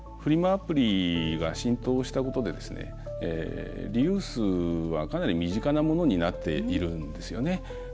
アプリが浸透したことで、リユースはかなり身近なものになっているんですよね。